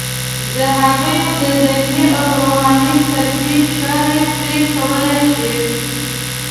د هغوی د ذهني او روحاني تربیې چاره پرې کولی شي.